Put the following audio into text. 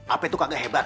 ap itu kagak hebat